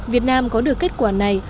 việt nam có được kết quả này